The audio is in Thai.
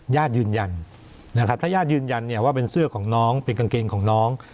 ญาติยืนยันนะครับถ้าญาติยืนยันเนี่ยว่าเป็นเสื้อของน้องเป็นกางเกงของน้อง